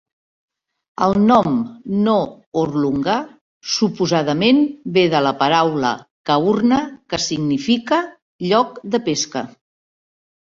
El nom "No-orlunga" suposadament ve de la paraula kaurna que significa "lloc de pesca".